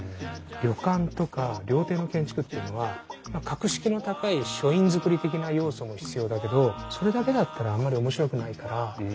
旅館とか料亭の建築っていうのは格式の高い書院造り的な要素も必要だけどそれだけだったらあんまり面白くないからちょっと崩す。